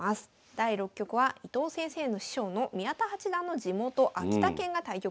第６局は伊藤先生の師匠の宮田八段の地元秋田県が対局場となっています。